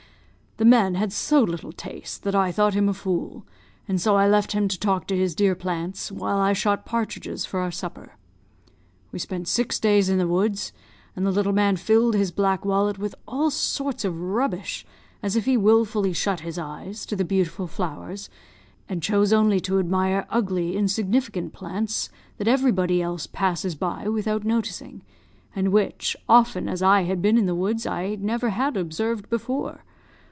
"The man had so little taste that I thought him a fool, and so I left him to talk to his dear plants, while I shot partridges for our supper. We spent six days in the woods, and the little man filled his black wallet with all sorts of rubbish, as if he wilfully shut his eyes to the beautiful flowers, and chose only to admire ugly, insignificant plants that everybody else passes by without noticing, and which, often as I had been in the woods, I never had observed before.